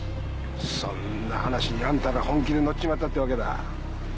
そんな話にあんたら本気でのっちまったってわけだ。